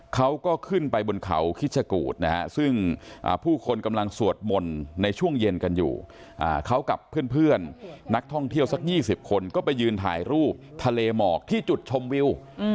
เขาก็ขึ้นไปบนเขาคิชกูธนะฮะซึ่งผู้คนกำลังสวดมนต์ในช่วงเย็นกันอยู่เขากับเพื่อนนักท่องเที่ยวสัก๒๐คนก็ไปยืนถ่ายรูปทะเลหมอกที่จุดชมวิว